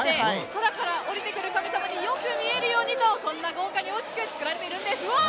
空から降りてくる神様によく見えるようにとこんな豪華に大きく作られているんです。